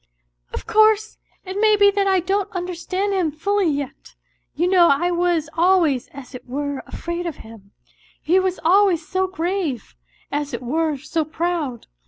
" Of course, it may be that I don't understand him fully yet. You know I was always as it were afraid of him ; he was always so grave, as it were so proud.